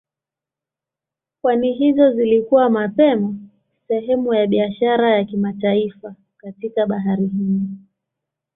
Pwani hizo zilikuwa mapema sehemu ya biashara ya kimataifa katika Bahari Hindi.